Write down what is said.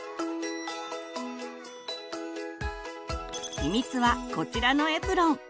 秘密はこちらのエプロン。